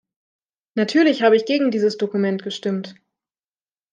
Natürlich habe ich gegen dieses Dokument gestimmt.